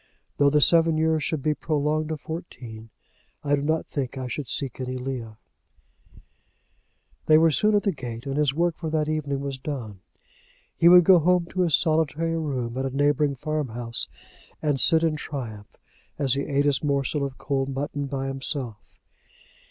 "Though the seven years should be prolonged to fourteen I do not think I should seek any Leah." They were soon at the gate, and his work for that evening was done. He would go home to his solitary room at a neighbouring farm house, and sit in triumph as he eat his morsel of cold mutton by himself.